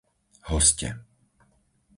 Hoste